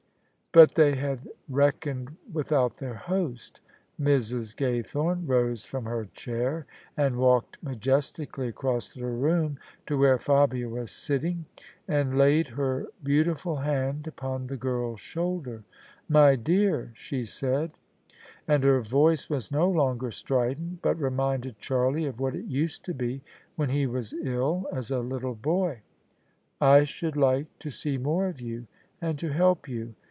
But they had reckoned without their host. Mrs. Gaythorne rose from her chair, and walked majes tically across the room to where Fabia was sitting, and laid her beautiful hand upon the girl's shoulder. " My dear," she said, and her voice was no longer strident, but reminded Charlie of what it used to be when he was ill as a little boy, " I should like to see more of you, and to help you.